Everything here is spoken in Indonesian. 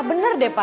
benar deh pa